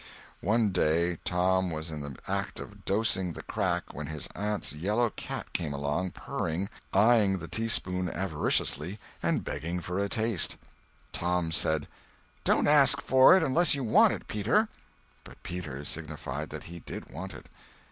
One day Tom was in the act of dosing the crack when his aunt's yellow cat came along, purring, eyeing the teaspoon avariciously, and begging for a taste. Tom said: "Don't ask for it unless you want it, Peter." But Peter signified that he did want it.